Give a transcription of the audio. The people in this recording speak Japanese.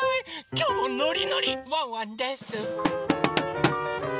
きょうもノリノリワンワンです！